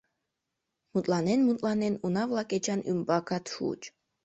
Мутланен-мутланен, уна-влак Эчан ӱмбакат шуыч.